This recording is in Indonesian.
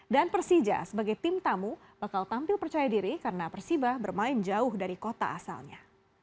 persija sebagai tim tamu bakal tampil percaya diri karena persiba bermain jauh dari kota asalnya